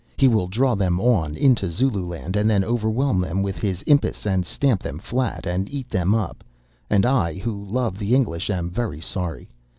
He will draw them on into Zululand and then overwhelm them with his impis and stamp them flat, and eat them up; and I, who love the English, am very sorry.